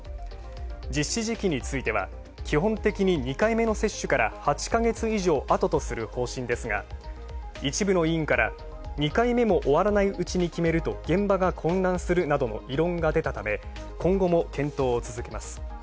実施時期については基本的に２回目の接種から８か月以上あととする方針ですが一部の委員から２回目も終わらないうちに決めると現場が混乱するとの異論が出たため今後も検討を続けます。